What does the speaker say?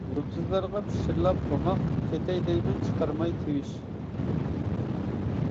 يۇلتۇزلارغا پىچىرلاپ ئوماق، كېتەي دەيمەن چىقارماي تىۋىش.